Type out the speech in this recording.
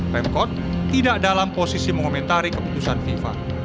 pemkot tidak dalam posisi mengomentari keputusan fifa